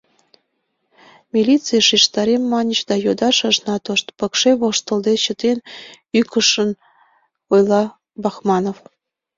— Милицыш шижтарем маньыч да йодаш ыжна тошт, — пыкше воштылде чытен, ӱҥышын ойла Бахманов.